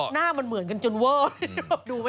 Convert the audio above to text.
หน้ามันเหมือนกันจนเวอร์